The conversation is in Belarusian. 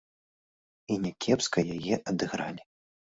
І някепска яе адыгралі!